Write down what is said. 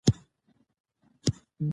بل څوک نه شي راتلای.